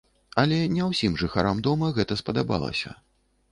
Але не ўсім жыхарам дома гэта спадабалася.